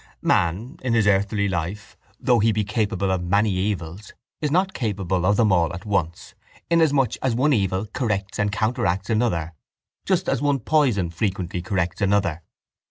Man, in this earthly life, though he be capable of many evils, is not capable of them all at once, inasmuch as one evil corrects and counteracts another just as one poison frequently corrects another.